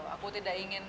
aku tidak ingin